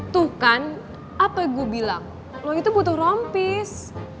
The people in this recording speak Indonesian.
tuh kan apa yang gue bilang lo itu butuh rompis